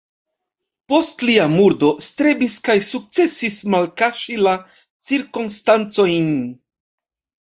Post lia murdo strebis kaj sukcesis malkaŝi la cirkonstancojn.